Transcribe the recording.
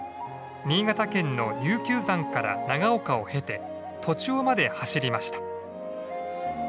新潟県の悠久山から長岡を経て栃尾まで走りました。